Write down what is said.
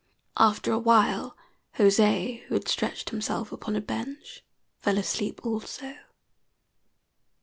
After a while José, who had stretched himself upon a bench, fell asleep also.